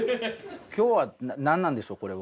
今日は何なんでしょうこれは。